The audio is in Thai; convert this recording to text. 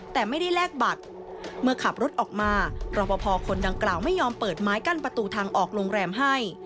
แต่ไม่ได้แลกบัตรเมื่อขับรถออกมารอปภคนดังกล่าวไม่ยอมเปิดไม้กั้นประตูทางออกโรงแรมให้